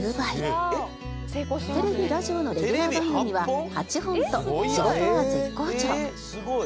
テレビラジオのレギュラー番組は８本と仕事は絶好調。